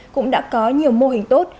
cũng đã có nhiều mô hình tốt